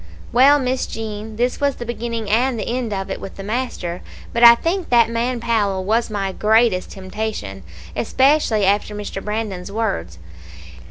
"Well, Miss Jean, this was the beginning and the end of it with the master; but I think that man Powell was my greatest temptation, especially after Mr. Brandon's words.